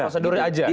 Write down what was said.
prosedur aja ya